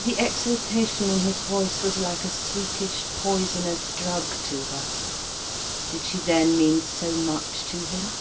The exultation in his voice was like a sweetish, poisonous drug to her. Did she then mean so much to him!